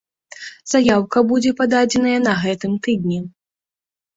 Заяўка будзе пададзеная на гэтым тыдні.